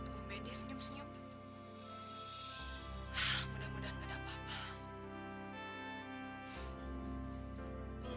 tungguin dia senyum senyum dulu